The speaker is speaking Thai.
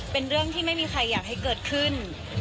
เป็นเรื่องที่ไม่มีใครอยากให้เกิดขึ้น